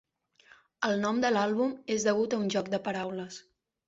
El nom de l'àlbum és degut a un joc de paraules.